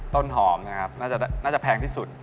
ต้นหอมนะครับน่าจะแพงที่สุด